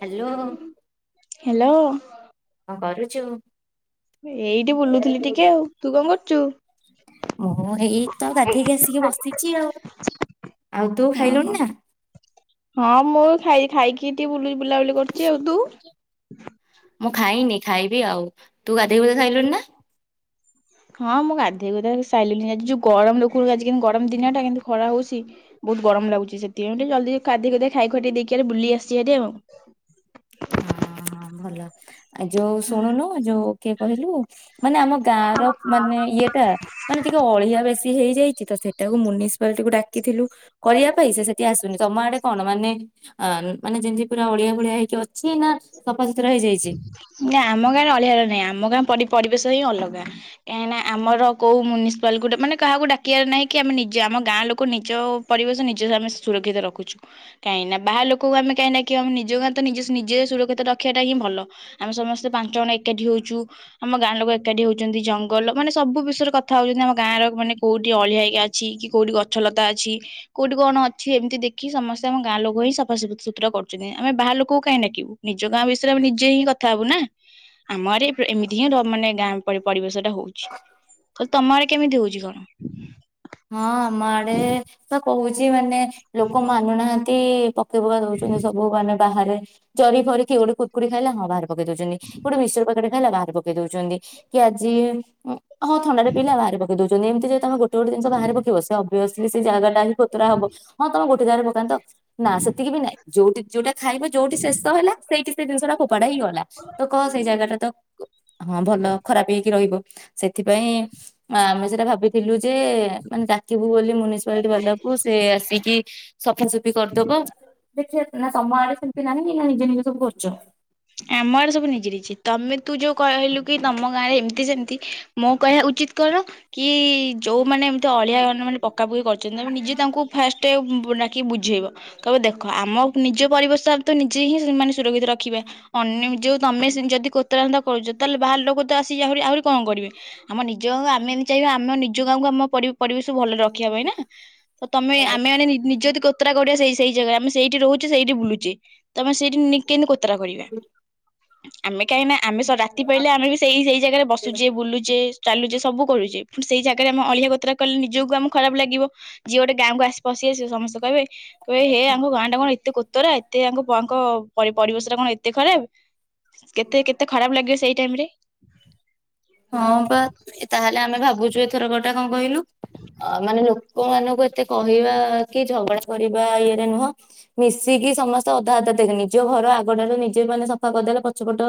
Hello. Hello. ହଁ କରୁଛୁ? ଏଇଠି ବୁଲୁଥିଲି ଟିକେ, ଆଉ ତୁ କଣ କରୁଚୁ? ମୁଁ ଏଇ ତ ଗାଧେଇକି ଆସିକି ବସିଛି ଆଉ। ଆଉ ତୁ ଓହୋ ଖାଇଲୁଣି ନା? ହଁ ମୁଁ ଖାଇଛି ଖାଇକି ଟିକେ ବୁଲ ବୁଲାବୁଲି କରୁଛି, ଆଉ ତୁ? ମୁଁ ଖାଇନି ଖାଇବି ଆଉ, ତୁ ଗାଧୋଇ ଗୁଧେଇ ସାରିଲୁନା ଖାଇଲୁଣି ନା? ହଁ ମୁଁ ଗାଧୋଇ ଗୁଧେଇ ସାଇଲିଣିି ଆଜି ଯୋଉ ଗରମ ଲୋକଙ୍କୁଜି ଗରମ ଦିନ ଟା କିନ୍ତୁ ଖରା ହଉଛି। ବହୁତ ଗରମ ଲାଗୁଛି ସେଥିପାଇଁ ଜଲଦି ଗାଧେଇ ଖେଇ ଦେଇକି ବୁଲି ଆସିଚି ହାରି ଆଉ। ହଁ ହଁ ଭଲ ଆଉ ଯୋଉ ଶୁଣୁନୁ ଯୋଉ କିଏ କହିଲୁ ମାନେ ଆମ ଗାଁ ର ମାନେ ଇଏ ଟା ମାନେ ଟିକେ ଅଳିଆ ବେଶୀ ହେଇଯାଇଛି ତ ସେଇଟାକୁ ମୁନିସିପାଲିଟିକୁ ଡାକିଥିଲୁ। କରିବା ପାଇଁ ସେଠି ଆସୁନି ତମ ଆଡେ କଣ ମାନେ ଅ ମାନେ ଯେମିତି ପୁରା ଅଳିଆ ଭଳିଆ ହେଇକି ଅ କିଛି ନା ସଫାସୁତୁରା ହେଇଯାଇଛି। ନା ଆମ ଗାଁରେ ଅଳିଆ ର ନାହିଁ ଆମ ଗାଁ ପରିବେଶ ହିଁ ଅଲଗା। କାହିଁକିନା ଆମର କୋଉ ମ୍ୟୁନିସିପାଲି ଗୋଟେ ମାନେ କାହାକୁ ଡାକିବାର ନାହିଁ କି ଆମେ ନିଜ ଆମ ଗାଁ ଲୋକ ନିଜ ପରିବେଶ ନିଜେ ଆମେ ସୁରକ୍ଷିତ ରଖୁଛୁ। କାହିଁକି ନା ବାହା ଲୋକଙ୍କୁ ଆମେ କାହିଁକି ଆମ ନିଜ ତ ନିଜ ନିଜେ ସୁରକ୍ଷିତ ରଖିବା ଟା ହିଁ ଭଲ ଆମେ ସମସ୍ତେ ପାଞ୍ଚ ଜଣ ଏକାଠି ହଉଛୁ। ଆମ ଗାଁ ଲୋକ ଏକାଠି ହଉ ଜଙ୍ଗଲ ମାନେ ସବୁ ବିଷୟରେ କଥା ହଉଛନ୍ତି ଆମ ଗାଁର ମାନେ କୋଉଠି ଅଳିଆ [unintelligible] ଅଛି କି କୋଉଠି ଗଛ ଲତା ଅଛି। କୋଉଠି କଣ ଅଛି ଏମିତି ଦେଖି ସମସ୍ତେ ଆମ ଗାଁ ଲୋକ ହିଁ ସଫାସା ସୁତୁରା କରୁଛନ୍ତିମେ ବାହାର ଲୋକ କାହିଁ ଡାକିବୁ। ନିଜ ଗାଁ ବିଷୟରେ ଆମେ ନିଜେ ହିଁ କଥା ହବୁ ନା। ଆମ ଆଡେ ଏମିତି ହିଁ ମାନେ ଗାଁ ପରି ପରିବେଶ ଟା ହଉଚି। କହିଲି ତମ ଆଡେ କେମିତି ହଉଚି କଣ? ହଁ ଆମ ଆଡେ ପା କହୁଚି ମାନେ ଲୋକ ମାନୁନାହାନ୍ତି ପ ପକେଇ ପୁକା ଦଉଛନ୍ତି ସବୁ ମାନେ ବାହାରେ। ଜରି ଫରି କିଏ ଗୋଟେ କୁରୁକୁରି ଖାଇଲା ହଁ ବାହାରେ ପକେଇ ଦଉଚନ୍ତି। ଗୋଟେ ମିକ୍ସଚର ପ୍ୟାକେଟ୍ ହେଲା ବାହାରି ପକେଇ ଦଉଚନ୍ତି। କି ଆଜି ହଁ ଥଣ୍ଡା ଟେ ପିଇଲା ବାହାରେ ପକେଇ ଦଉଚନ୍ତି। ଏମିତି ଯଦି ତମେ ଗୋଟେ ଗୋଟେ ଜିନିଷ ବାହାରେ ପକେଇବ ସେ ଓବିଅସ୍ଲି ସେ ଜାଗା ହିଁ କୋତରା ହବ। ହଁ ତମେ ଗୋଟେ ଜାଗାରେ ପକାନ୍ତ। ନା ସେତିକି ବି ନାଇଁ, ଯୋଉଠି ଯୋଉଟା ଖାଇଵ ଯୋଉଠି ଶେଷ ହେଲା ସେଇଠି ସେ ଜିନିଷ ଟା ଫୋପାଡା ହିଁ ଗଲା। ତ କହ ସେଇ ଜାଗାଟା ତ ହଁ ଭଲ ଖରାପ ହେଇକି ରହିବ। ସେଥିପାଇଁ ଆମେ ସେଇଟା ଭାବିଥିଲୁ ଯେ ମାନେ ଡାକିବୁ ବୋଲି ମୁନିସିପାଲିଟି ବାଲାକୁ ସେ ଆସିକି ସଫାସଫି କରିଦବ। ଦେଖିଆ ନା ତମ ଆଡେ ସେମିତି ନାହିଁ କି ନା ନିଜେ ନିଜେ ସବୁ କରୁଚ? ଆମ ଆଡେ ସବୁ ନିଜେ ନିଜେ। ତମେ ତୁ ଯୋଉ କହିଲୁ କି ତମ ଗାଁ ରେ ଏମତି ସେମତି ମୋ କହିବା ଉଚିତ୍ କଣ କି ଯୋଉମାନେ ତ ଅଳିଆ [unintelligible] ମାନେ ପକା ପୁକି କରୁଚନ୍ତି। ଆମେ ନିଜେ ତାଙ୍କୁ ଫାଷ୍ଟ ଡ଼ା କି ବୁଝେଇବ। କହିବ ଦେଖ ଆମ ନିଜ ପରିବେଶ ତ ନିଜେ ହିଁ ମାନେ ସୁରକ୍ଷିତ ରଖିବା। ଅନ୍ୟ ଯୋଉ ତମେ ଯଦି କୋତରା ମତରା କରୁଚ ତାହେଲେ ବାହାର ଲୋକ ତ ଆସ ଆହୁରି ଆହୁରି କଣ କରିବେ। ଆମ ନିଜ ଗାଁକୁ ଆମେ ମାନେ ଚାହିଁବା ଆମେ ନିଜ ଗାଁକୁ ଆମ ପରି ପରିବେଶ କୁ ଭଲରେ ରଖିବା ପାଇଁ ନା। ତ ତମେ ଆମେ ମାନେ ନିଜ ଯଦି କୋ କୋତରା କରିବା ସେଇ ସେଇ ଜାଗା। ଆମେ ସେଇଠି ରହୁଚେ ସେଇଠି ବୁଲୁଚେ। ତମେ ଆମେ ସେଇଠି କେମିତି କୋତରା କରିବା। ଆମେ କାହିଁନା ଆମେ ରାତି ପାହିଲେ ଆମେ ବି ସେଇ ସେଇ ଜାଗାରେ ବସୁଚେ ବୁଲୁଚେ ଚାଲୁଚେ ସବୁ କରୁଚେ। ପୁଣି ସେଇ ଜାଗାରେ ଆମେ ଅଳିଆ କୋତରା କଲେ ନିଜକୁ ଆମକୁ ଖରାପ ଲାଗିବ। ଯିଏ ଗୋଟେ ଗାଁକୁ ଆସି ପଶିଆସିବ ସମସ୍ତେ କହିବେ କହିବେ ଏ ହେ ଆଙ୍କ ଗାଁ ଟା କଣ ଏତେ କୋତରା ଏତେ ଆଙ୍କ ଆଙ୍କ ପରିବେଶ ଟା କଣ ଏତେ ଖରାପ୍। କେତେ କେତେ ଖରାପ ଲାଗିବ ସେଇ ଟାଇମ୍ ରେ। ହଁ ପା। ତାହେଲେ ଆମେ ଭାବୁଚୁ ଏଥର କ ଟା କଣ କହିଲୁ ଅ ମାନେ ଲୋକମାନଙ୍କୁ ଏତେ କହିବା କି ଝଗଡା କରିବା ଇଏରେ ନୁହଁ ମିଶିକି ସମସ୍ତେ ଅଧା ଅଧା ଦେଖେ, ନିଜ ଘର ଆଗଟାକୁ ନିଜେ ମାନେ ସଫା କରିଦେଲେ ପଛପଟ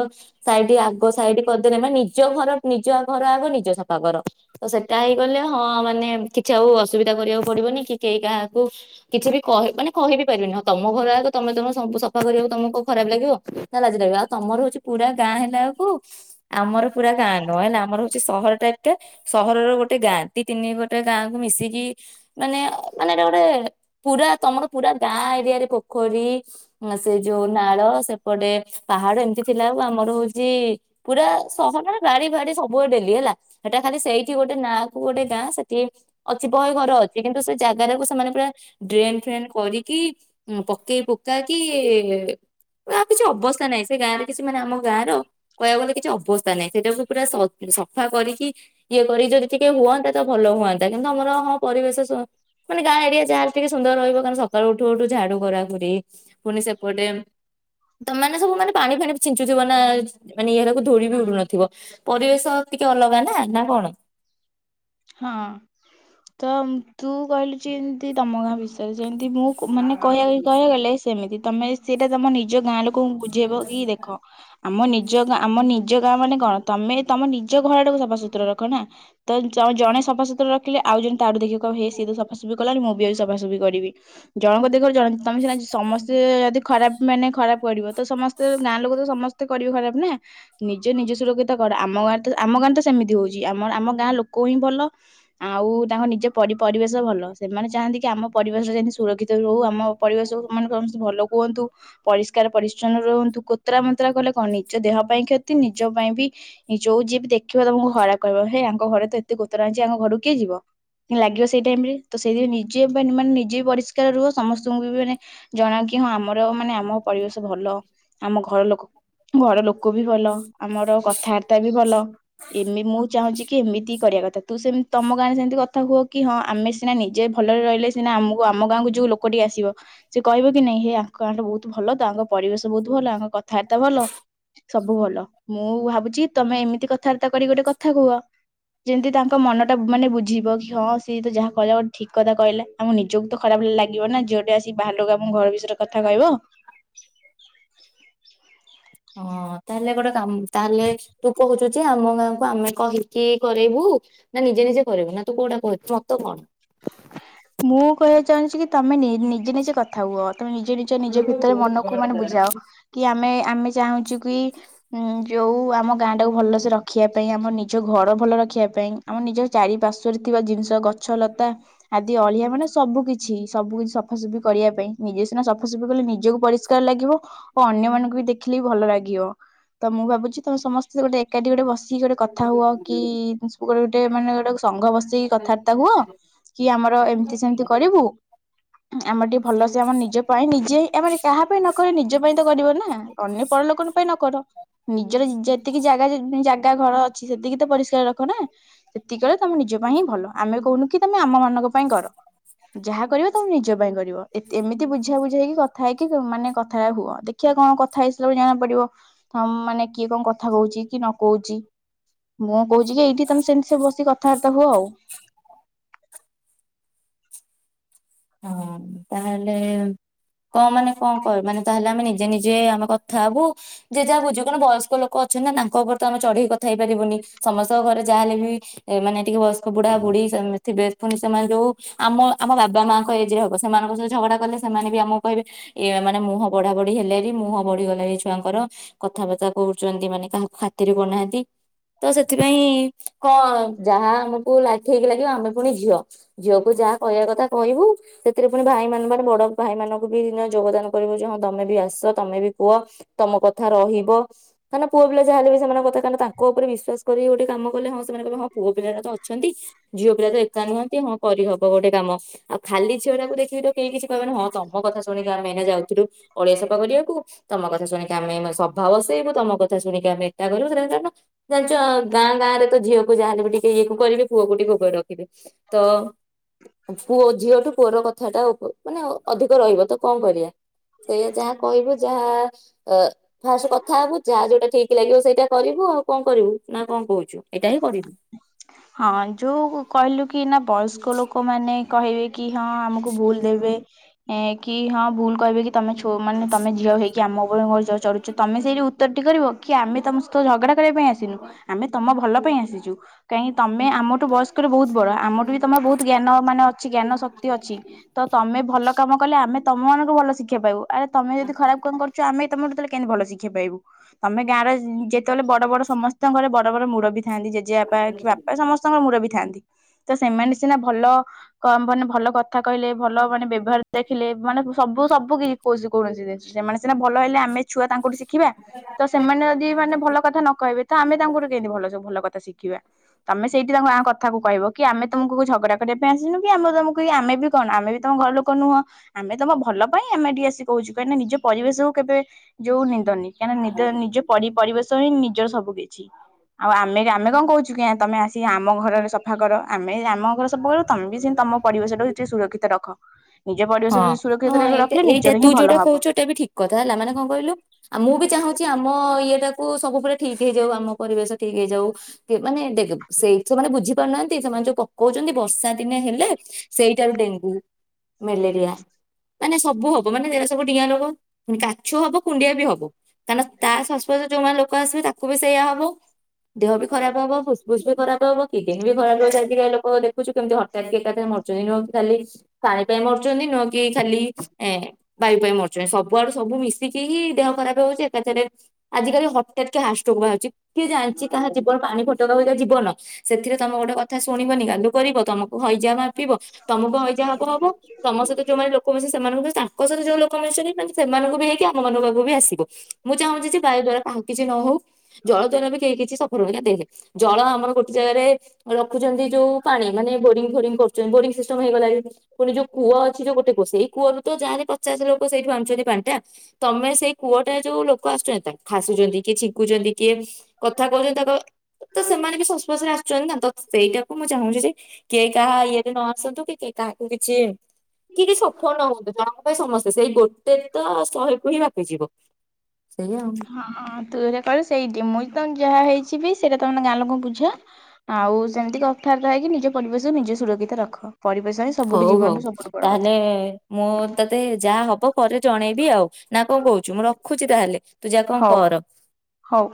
ସାଇଟି ଆଗ ସାଇଟି କରିଦେଲେ ମାନେ ନିଜ ଘର ନିଜ ଘର ଆଗ ନିଜେ ସଫା କର। ତ ସେଟା ହେଇଗଲେ ହଁ ମାନେ କିଛି ଆଉ ଅସୁବିଧା କରିବାକୁ ପଡିବନି କି କେହି କାହାକୁ କିଛି ବି କହି ମାନେ କହିବି ପାରିବେନି। ହଁ ତମ ଘର ଆଗ ତମେ ତମ ସବୁ ସଫା କରିବାକୁ ତମକୁ କୋଉ ଖରାପ ଲାଗିବ। ନା ଲାଜ ଲାଗିବ। ଆଉ ତମର ହଉଚି ପୁରା ଗାଁ ହେଲା ବେଳକୁ ଆମର ପୁରା ଗାଁ ନହେଲା ଆମର ହଉଚି ସହର ଟାଇପ୍ ଟା। ସହରର ଗୋଟେ ଗାଁ, ଦି ତିନି ଗୋଟେ ଗାଁକୁ ମିଶିକି ମାନେ ମାନେ ଏଟା ଗୋଟେ ପୁରା ତମର ପୁରା ଗାଁ ଏରିଆରେ ପୋଖରୀ ସେ ଯୋଉ ନାଳ ସେ ଏପଟେ ପାହାଡ ଏମିତି ଥିଲା ବେଳକୁ ଆମର ହଉଚି ପୁରା ସହର ର ଗାଡ଼ି ଫାଡି ସବୁବେଳେ ଡେଲି ହେଲା। ହେଟା ଖାଲି ସେଇଠି ଗୋଟେ ନାଁ କୁ ଗୋଟେ ଗାଁ। ସେଠି ଅଛି ବହେ ଘର ଅଛି। କିନ୍ତୁ ସେ ଜାଗା ରାକୁ ସେମାନେ ପୁରା ଡ୍ରେନ୍ ଫ୍ରେନ୍ କରିକି ଉଁ ପକେଇ ପୁକାକି ପୁରା ଆଉ କିଛି ଅବସ୍ଥା ନାହିଁ। ସେ ଗାଁରେ କିଛି ମାନେ ଆମ ଗାଁ ର କହିବାକୁ ଗଲେ କିଛି ଅବସ୍ଥା ନାହିଁ। ସେଇଟାକୁ ପୁରା ସଫା କରିକି ଇଏ କରି ଯଦି ଟିକେ ହୁଅନ୍ତା ତ ଭଲ ହୁଅନ୍ତା। କିନ୍ତୁ ଆମର ହଁ ପରିବେଶ ସ ମାନେ ଗାଁ ଏରିଆ ଯାହା ହେଲେ ଟିକେ ସୁନ୍ଦର ରହିବ। କାରଣ ସକାଳୁ ଉଠୁ ଉଠୁ ଝାଡୁ କରା କୁରି ପୁଣି ସେପଟେ ତମେ ମାନେ ସବୁ ମାନେ ପାଣି ଫାଣି ଛିଞ୍ଚୁଥିବ ନା ମାନେ ଇଆରାକୁ ଧୋଳି ବି ଉଡୁନଥିବ ପରିବେଶ ଟିକେ ଅଲଗା ନା ନା କଣ? ହଁ ତ ତୁ କହିଲୁଚି ଏମତି ତମ ଗାଁ ବିଷ ଏ ଯେମିତି ମୁଁ କୁ ମାନେ କହିବା କହିବାକୁ ଗଲେ ସେମିତି ତମେ ସେଇଟା ତମ ନିଜ ଗାଁ ଲୋକ ଙ୍କୁ ବୁଝେଇବ କି ଦେଖ ଆମ ନିଜ ଗା ଆମ ନିଜ ଗାଁ ମାନେ କଣ ତମେ ତମ ନିଜ ଘର ଟାକୁ ସଫାସତୁରା ରଖ ନା ତ ଜଣେ ସଫାସତୁରା ରଖିଲେ ଆଉ ଜଣେ ତାଡୁ ଦେଖି ହେଇ ସିଏ ତ ସଫାଶୁଫି କଲାଣି ମୁଁ ବି ଯାଉଚି ସଫାଶୁଫି କରିବି ଜଣଙ୍କ ଦେଖ ଜଣ ତମେ ସିନା ସମସ୍ତେ ଯଦି ଖରାପ ମାନେ ଖରାପ ପଡିବ ତ ସମସ୍ତେ ଗାଁ ଲୋକ ତ ସମସ୍ତେ କରିବେ ଖରାପ ନା ନିଜେ ନିଜେ ସୁରକ୍ଷିତ କରା ଆମ ଗାଁରେ ତ ଆମ ଗାଁରେ ତ ସେମିତି ହଉଛି ଆମର ଆମ ଗାଁ ଲୋକ ହିଁ ଭଲ। ଆଉ ତାଙ୍କ ନିଜ ପରି ପରିବେଶ ଭଲ ସେମାନେ ଚାହାଁନ୍ତି କି ଆମ ପରିବେଶ ଯେମିତି ସୁରକ୍ଷିତ ରହୁ ଆମ ପରିବେଶକୁ ମାନେ ସମସ୍ତେ ଭଲ କୁହନ୍ତୁ। ପରିଷ୍କାର ପରିଚଛନ୍ନ ରୁହନ୍ତୁ କୋତରା ମତରା କଲେ କଣ ନିଜ ଦେହ ପାଇଁ କ୍ଷତି ନିଜ ପାଇଁ ବି ଯୋଉ ଯିଏ ବି ଦେଖିବ ତମକୁ ଖରାପ କହିଁବ ହେଇ ଆଙ୍କ ଘରେ ତ ଏତେ ଗୋତରା ହେଇଛି ଆଙ୍କ ଘରକୁ କିଏ ଯିବ ଲାଗିବ ସେଇ ଟାଇମ ରେ ତ ସେଇ [unintelligible] ନିଜେ ମାନେ ମାନେ ନିଜେ ବି ପରିଷ୍କାର ରୁହ ସମସ୍ତଙ୍କୁ ବି ମାନେ ଜଣା କି ହଁ ଆମର ମାନେ ଆମ ପରିବେଶ ଭଲ ଆମ ଘର ଲୋକ ଘର ଲୋ କ ବି ଭଲ ଆମର କଥାବାର୍ତ୍ତା ବି ଭଲ ଏମେ ମୁଁ ଚାହୁଁଛି କି ଏମିତି କରିବା କଥା ତୁ ସେମିତି ତମ ଗାଁରେ ସେମିତି କଥା କୁହ କି ହଁ ଆମେ ସିନା ନିଜେ ଭଲରେ ରହିଲେ ସିନା ଆମକୁ ଆମ ଗାଁକୁ ଯେଉଁ ଲୋ କୋଟି ଆସିବ ସେ କହିବେ କି ନାଇଁ ହେ ଆଙ୍କ ଆଠା ବହୁତ ଭଲ ତ ତାଙ୍କ ପରିବେଶ ବହୁତ ଭଲ ଆଙ୍କ କଥାବାର୍ତ୍ତା ଭଲ ସବୁ ଭଲ ମୁଁ ଭାବୁଛି ତମେ ଏମିତି କଥାବାର୍ତ୍ତା କରିକି ଗୋଟେ କଥା କୁହ ଯେମିତି ତାଙ୍କ ମନ ଟା ମାନେ ବୁଝିବ କି ହଁ ସିଏ ତ ଯାହା କହିଲା ଗୋଟେ ଠିକ କଥା କହିଲା ଆମ ନିଜକୁ ତ ଖରାପ ହେଲେ ଲାଗିବ ନା ଝିଅଟେ ଆସି ବାହାର ଲୋକକୁ ଆମ ଘର ବିଷୟରେ କଥା କହିବ ହଁ ତାହେଲେ ଗୋଟେ କାମ ତାହେଲେ ତୁ କହୁଛୁ ଯେ ଆମ ଗାଁକୁ ଆମେ କହିକି କରାଇବୁ ନା ନିଜେ ନିଜେ କରାଇବୁ ନା ତୁ କୋଉଟା କହଛୁ ସତ କଣ ମୁଁ କହିବାକୁ ଚାହୁଁଛି କି ତମେ ନି ନିଜେ ନିଜେ କଥା କୁହ ତମେ ନିଜେ ନି ନିଜ ଭିତରେ ମନକୁ ମାନେ ବୁଝାଅ କି ଆମେ ଆମେ ଚାହୁଁଛୁ କି ହୁଁ ଯୋଉ ଆମ ଗାଁ ଟାକୁ ଭଲସେ ରଖିବା ପାଇଁ ଆମ ନିଜ ଘର ଭଲ ରଖିବା ପାଇଁ ଆମ ନିଜ ଚାରିପାର୍ଶ୍ଵରେ ଥିବା ଜିନିଷ ଗଛ ଲତା ଆଦି ଅଳିଆ ମାନେ ସବୁ କିିଛି ସବୁ କିଛି ସଫାସୁଫି କରିବା ପାଇଁ ନିଜେ ସିନା ସଫାସଫି କଲେ ନିଜକୁ ପରିଷ୍କାର ଲାଗିବ। ଓ ଅନ୍ୟ ମାନଙ୍କୁ ବି ଦେଖିଲେ ବି ଭଲ ଲାଗିବ ତ ମୁଁ ଭାବୁଛି ତମେ ସମସ୍ତେ ଗୋଟେ ଏକାଠି ଗୋଟେ ବସିକି ଗୋଟେ କଥା ହୁଅ କି ସ୍କୁଲ୍ ଡେ ମାନେ ଗୋଟେ ସଂଘ ବସିକି କଥାବାର୍ତ୍ତା ହୁଅ। କି ଆମର ଏମିତି ସେମିତି କରିବୁ ଆମର ଟିକେ ଭଲସେ ଆମ ନିଜ ପାଇଁ ନିଜେ ଅ ମାନେ କାହା ପାଇଁ ନକଲେ ନିଜ ପାଇଁ ତ କରିବ ନା ଅନ୍ୟ ପରଲୋକଙ୍କ ପାଇଁ ନ କର ନିଜର ଯେ ଯେତିକି ଜାଗା ଜାଗା ଘର ଅଛି ସେତିକି ତ ପରିଷ୍କାର ରଖ ନା ସେତିକି କଲେ ତମେ ନିଜ ପାଇଁ ହିଁ ଭଲ ଆମେ କହୁନୁ କି ତମେ ଆମ ମାନଙ୍କ ପାଇଁ କର ଯାହା କରିବ ତମେ ନିଜ ପାଇଁ କରିବ ଏତେ ଏମିତି ବୁଝ ବୁଝା ହେଇକି କଥା ହେଇକି ମାନେ କଥାଟା ହୁଅ ଦେ ଦେଖିବା କଣ କଥା ହେଇଥିଲ ବି ଜଣା ପଡିବ ହ ମାନେ କିଏ କଣ କଥା କହୁଛି କି ନ କହୁଛି ମୁଁ କହୁଛି କି ଏଇଠି ତମେ ସେମିତି ସବୁ ବସିକି କଥାବାର୍ତ୍ତା ହୁଅ ଆଉ ହଁ ତାହେଲେ କଣ ମାନେ କଣ କଣ ମାନେ ତାହେଲେ ଆମେ ନିଜେ ନିଜେ ଆମେ କଥା ହବୁ ଯେ ଯାହା ବୁଝୁ କଣ ବୟସ୍କ ଲୋକ ଅଛନ୍ତି ନା ତାଙ୍କ ଉପରେ ତ ଆମେ ଚଢେଇ କଥା ହେଇ ପାରିବୁନି ସମସ୍ତଙ୍କ ଘରେ ଯାହା ହେଲେ ବି ଏମାନେ ଟିକେ ବୟସ୍କ ବୁଢା ବୁଢୀ ସେମିତି [unintelligible] ସେମାନେ ଯୋଉ ଆମ ଆମ ବାବା ମା ଏଯେ ହବ ସେମାନଙ୍କ ସହିତ ଝଗଡା କଲେ ସେମାନେ ବି ଆମକୁ କହିବେ ଏଆ ମାନେ ମୁହଁ ବଢା ବଢି ହେଲେଣି ମୁହଁ ବଢିଗଲାଣି ଏଛୁଆଙ୍କର କଥାବାର୍ତ୍ତା କରୁଛନ୍ତି ମାନେ କାହାକୁ ଖାତିରି କରୁନାହାନ୍ତି ତସେଥିପାଇଁ କଣ ଯାହା ଆମକୁ ଲାଠେଇକି ଲାଗିବ ଆମେ ପୁଣି ଝିଅ ଝିଅକୁ ଯାହା କହିବା କଥା କହିବୁ ସେଥିରେ ପୁଣି ଭାଇ ମାନ କଣ ବଡ଼ ଭାଇମାନଙ୍କୁବି [unintelligible] ଯୋଗଦାନ କରିବୁଯେ ହଁ ତମେବି ଆସ ତମେବି କୁହ ତମ କଥା ରହିବ। କାହିଁକିନା ପୁଅ ପିଲା ଯାହା ହେଲେବି ସେମାନଙ୍କ କଥା ତାହାଲେ ତାଙ୍କ ଉପରେ ବିଶ୍ଵାସ କରି ଗଟେ କାମ କଲେ ହଁ ସେମାନେ କହିବେ ହଁ ପୁଅ ପିଲାଅରାତ ଅଛନ୍ତି। ଝିଅ ପିଲାତ ଏକା ନୁହନ୍ତି ହଁ କରିହବ ଗୋଟେ କାମ ଆ ଖାଲି ଝିଅଟା ଦେଖିକିତ କେହି କିଛି କହିବେନି ହଁ ତମ କଥା ଶୁଣିକି ଆମେ ଏଇନା ଯାଉଥିଲୁ ଅଳିଆ ସଫା କରିବାକୁ ତମ କଥା ଶୁଣିକି ଆମେ ଏଇ ସଭା ବସେଇବୁ ତମ କଥା ସୁଣିକି ଆମେ ଏଟା କରିବୁ ସେ ଜାଣିଚ ଗାଁ ଗାଁରେତ ଝିଅକୁ ଯାହାଲେବି ଟିକେ ଇଏକୁ କରିବେ ପୁଅକୁ ଟିକେ ଉପରେ ରଖିବେ। ତ ପୁଅ ଝିଅଠୁ ପୁଅର କଥା ତାଉ ମାନେ ଅଧିକ ରହିବ ତକଣ କରିବା ସେୟା ଯାହା କହିବେ ଯାହା ଅଁ ଫାଷ୍ଟ କଥା ହବୁ ଯାହା ଯୋଉଟା ଠିକ୍ ଲାଗିବ ସେଇଟା କରିବୁ ଆଉ କଣ କରିବୁ ନାକଣ କହୁଚୁ ଏଇଟାହିଁ କରିବୁ। [inaudible] ହଁ ଯୋଉ କହିଲୁକି ନା ବୟସ୍କ ଲୋକମାନେ କହିବେକି ହଁ ଆମକୁ ଭୁଲ୍ ଦେବେ ଏ କି ହଁ ଭୁଲ୍ କହିବେକି ତମେ ଛ ମାନେ ତମେ ଝିଅ ହେଇକି ଆମ ଉପରେ ଚଢୁଛ ତମେ ସେଇଠି ଉତ୍ତରଟି କରିବ କିଆମେ ତମ ସହିତ ଝଗଡ଼ା କରିବା ପାଇଁ ଆସିନୁ ଆମେ ତମ ଭଲ ପାଇଁ ଆସିଚୁ। କାହିଁ ତମେଆମଠୁ ବୟସ୍କରେ ବହୁତ୍ ବଡ଼ ଆମଠୁ ଳବି ତମର ବହୁତ୍ ଜ୍ଞାନ ମାନେ ଅଛି ଜ୍ଞାନ ଶକ୍ତି ଅଛି। ତତମେ ଭଲ କାମ କଲେ ଆମେ ତମ ମାନଙ୍କୁ ଭଲ ଶିକ୍ଷା ପାଇବୁ ଆରେ ତମେ ଯଦି ଖରାପ୍ କାମ କରୁଥି ଚୋ ଆମେ ତମଠୁ ତାହେଲେ କେମିତି ଭଲ ଶିକ୍ଷା ପାଇବୁ ତମେ ଗାଁରେ ଯେତେବେଳେ ବଡ଼ ବଡ଼ ସମସ୍ତଙ୍କ ଘରେ ବଡ଼ ବଡ଼ ମୁରବି ଥାନ୍ତି ଜେଜେବାପା କିବାପା ସମସ୍ତେ ମୁରବି ଥାନ୍ତି ତସେମାନେ ସିନା ଭଲ କ ମାନେ ଭଲ କଥା କହିଲେ ଭଲ ମାନେ ବ୍ୟବହାର ଦେଖିଲେ ମାନେ ସବୁ ସବୁ କି କୋଉସୁ କୌଣସି ସେମାନେ ସିନା ଭଲ ହେଲେ ଆମେ ଛୁଆ ତାଙ୍କଠୁ ଶିକି ଶିଖିବା ତସେମାନେ ଯଦି ମାନେ ଭଲ କଥା ନକହିବେ ତଆମେ ତାଙ୍କଠୁ କେମତି ଭଲସେ ଭଲ କଥା ଶିଖିବା। ତମେ ସେଇଠି ତାଙ୍କ ଆଁ କଥାକୁ କହିବକି ଆମେ ତମକୁ ଝଗଡ଼ା କରିବା ପାଇଁ ଆସିନୁକି ଆମେ ତମକୁ ଆମେବି କଣ ଆମେବି ତମ ଘର ଲୋକ କନୁହଁ ଆମେ ତମ ଭଲ ପାଇଁ ଆମେ ଏଠିକି ଆସି କହୁଚୁ କାହିଁକିନା ନିଜ ପରିବେଶକୁ କେବେ ଯୋଉ ନିନ୍ଦନି। କାହିଁକିନା ନିଦ ନିଜ ପରି ପରିବେଶହିଁ ନିଜର ସବୁ କିଛି ଆଉ ଆମେ ଆମେ କଣ କହୁଚୁକି ଆ ତମେ ଆସିିକି ଆମ ଘରର ସଫା କର ଆମେ ଆମ ଘର ସଫା କରିବ ତମେବି ସେମିତି ତମ ପରିବେଶ ଟାକୁ ଟିକେ ସୁରକ୍ଷିତ ରଖ। ନିଜ ହଁ ପରିବେଶକୁ ସୁରକ୍ଷିତ ହଁ ଅଁ ଏଇଟା ରଖିଲେ ଏଇଟା ନିଜର ହିଁ ଭଲ ତୁଯୋଉଟା ହବ। କହୁଚୁ ଏଇଟାବି ଠିକ୍ କଥା ହେଲା ମାନେ କଣ କହିଲୁ ଆଉ ମୁବି ଚାହୁଁଛି ଆମ ଇଏ ଟାକୁ ସବୁବେଳେ ଠିକ୍ ହେଇଯାଉ ଆମ ପରିବେଶ ଠିକ୍ ହେଇଯାଉ କିଏ ମାନେ ଦେଖେ ସେଇତ ସେମାନେ ବୁଝି ପାରୁନାହାନ୍ତି ସେମାନେ ଯୋଉ ପକଉଚନ୍ତି ବର୍ଷା ଦିନେ ହେଲେ ସେଇଟାରୁ ଡେଙ୍ଗୁ, ମେଲେରିଆ ମାନେ ସବୁ ହବ ମାନେ ଏରା ସବୁ ଡିଆଁ ରୋଗ। କାଛୁ ହବ କୁଣ୍ଡିଆବି ହବ କାରଣ ତାସଶପଶରେ ଯୋଉମାନେ ଲୋକ ଆସିବେ ତାକୁବି ସେଇଆ ହବ। ଦେହବି ଖରାପ୍ ହବ ଫୁସ୍ ବି ଖରାପ୍ ହବ କିଡିନିବି ଖରାପ୍ ହବ ଆଜିକାଲି ଲୋକ ଦେଖୁଚୁ କେମିତି ହଠାତ୍କି ଏକାଥରେ ମରୁଚନ୍ତି ନହେଲେ ତଖାଲି ମରୁଚନ୍ତି ନୁହକି ଖାଲି ଏ ବାୟୁ ପାଇଁ ମାରୁଚନ୍ତି ସବୁଆଡ଼ୁ ସବୁ ମିଶିକି ହିଁ ଦେହ ଖରାପ୍ ହୋଉଚି ଏକାଥରେ ଆଜିକାଲି ହଠାତ୍ କି ହା ଷ୍ଟକ୍ ବାହାରୁଚି କିଏ ଜାଣିଚି କାହା ଜୀବନ ପାଣି ଫଟ [unintelligible] ଜୀବନ ସେଥିରେ ତମେ ଗୋଟେ କଥା ଶୁଣିବନି ଗାଲୁ କରିବ ତମକୁ ହଇଯାମା ପିଇବ ତମକୁ ହଇଜା ହବ ହବ ତମ ସହିତ ଯୋଉମାନେ ଲୋକ ମିସି ସେମାନଙ୍କୁ ବି ତାଙ୍କ ସହିତ ଯୋଉ ଲୋକ ମିଶିଚନ୍ତି ତାଙ୍କ ସେମାନଙ୍କୁ ହେଇକି ଆମ ମାନଙ୍କ ପାଖକୁ ବି ଆସିବ। ମୁଁ ଚାହୁଁଚି ଯେ ବାୟୁ ଦ୍ଵାରା କାହାକୁ କିଛି ନ ହୋଉ ଜଳ ଦ୍ୱାରା ବି କେହି କିଛି [unintelligible] ଜଳ ଆମର ଗୋଟେ ଜାଗାରେ ରଖୁଛନ୍ତି ଯୋଉ ପାଣି ମାନେ ବୋରିଙ୍ଗ ଫୋରିଂ କରୁଚନ୍ତି ବୋରିଙ୍ଗ ସିଷ୍ଟମ ହେଇଗଲାଣି ପୁଣି ଯୋଉ କୂଅ ଅଛି ଯୋଉ ଗୋଟେ କୁଅ ସେଇ କୂଅରୁ ତ ଚାରି ପଚାଶ ଲୋକ ସେଇଠୁ ଆଣୁଚନ୍ତି ପାଣିଟା। ତମେ ସେଇ କୂଅଟା ଯୋଉ ଲୋକ ଆସୁଚନ୍ତି ତା ଖାସୁଛନ୍ତି କିଏ ଛିଙ୍କୁୁଚନ୍ତି। କିଏ କଥା କହୁଚନ୍ତି ତାଙ୍କ ତ ସେମାନେ ବି ସଂସ୍ପର୍ଶରେ ଆସୁ ଚନ୍ତି ତ ସେଇଟାକୁ ମୁଁ ଚାହୁଁଛି ଯେ କେଇ କାହା ଇଏରେ ନ ଆସନ୍ତୁ କି କିଏ କାହାକୁ କିଛି କି କି ସଫଳ ନ ହୁଅନ୍ତୁ ତାଙ୍କ ପାଇଁ ସମସ୍ତେ ସେଇ ଗୋଟେ ତ ଶହେକୁ ହିଁ ବାପିଯିବ। ସେଇଆ ଆଉ। ହଁଁ ହଁ ତୁ ଏରା କଇଉ ସେଇଟି ମୁଇଁ ତମ୍ ଯାହା ହେଇଚିବି ସେଇଟା ତମ ଗାଁ ଲୋକଙ୍କୁ ବୁଝା। ଆଉ ସେମିତି ଆର୍ଥା ହେଇକି ନିଜ ପରିବେଶକୁ ନିଜେ ସୁରକ୍ଷିତ ରଖ ପରିବେଶ ହିଁ। ସବୁଠୁ ହୋଉ ହୋଉ ଜୀବନଠୁ ସବୁଠୁ ବଡ କଥା। ତାହେଲେ ମୁଁ ତତେ ଯାହା ହବ ପରେ ଜଣେଇବି ଆଉ ନା କଣ କହୁଚୁ ମୁଁ ରଖୁଛି ତାହେଲେ। ତୁ ଯା କଣ ହଉ କର। ହଉ।